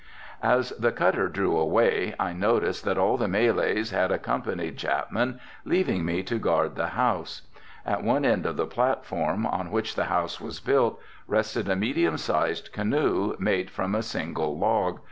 As the cutter drew away I noticed that all the Malays had accompanied Chapman, leaving me to guard the house. At one end of the platform, on which the house was built, rested a medium sized canoe, made from a single log.